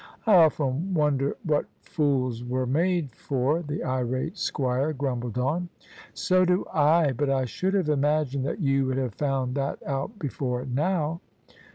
" I often wonder what fools were made for," the irjate squire grumbled on. " So do I : but I should have imagined that you would have found that out before now."